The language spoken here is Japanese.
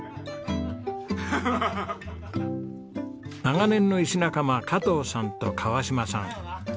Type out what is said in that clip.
長年の石仲間加藤さんと川島さん。